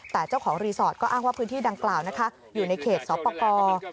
แต่เจ้าของรีสอร์ทก็อ้างว่าพื้นที่ดังกล่าวนะคะอยู่ในเขตสอบประกอบ